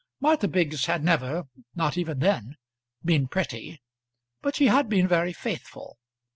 Martha Biggs had never, not even then, been pretty; but she had been very faithful.